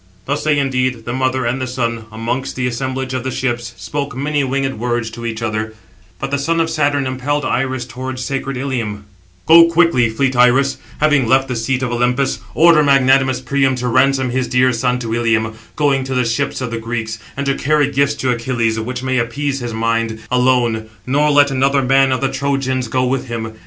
Thus they indeed, the mother and the son, amongst the assemblage of the ships, spoke many winged words to each other; but the son of Saturn impelled Iris towards sacred Ilium: "Go quickly, fleet Iris, having left the seat of Olympus, order magnanimous Priam to ransom his dear son to Ilium, going to the ships of the Greeks; and to carry gifts to Achilles, which may appease his mind, alone; nor let another man of the Trojans go with him.